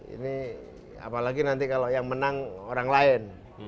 ini apalagi nanti kalau yang menang orang lain